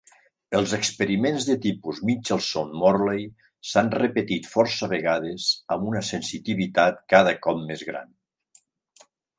Els experiments de tipus Michelson-Morley s'han repetit força vegades amb una sensitivitat cada cop més gran.